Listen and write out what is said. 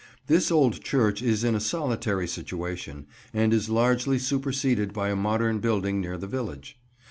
This old church is in a solitary situation, and is largely superseded by a modern building near the village.